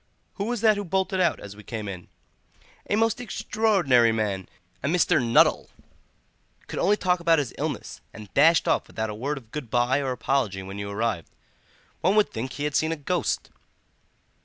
Who was that who bolted out as we came up?" "A most extraordinary man, a Mr. Nuttel," said Mrs. Sappleton; "could only talk about his illnesses, and dashed off without a word of good bye or apology when you arrived. One would think he had seen a ghost."